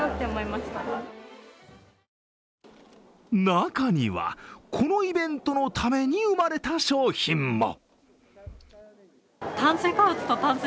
中には、このイベントのために生まれた商品も。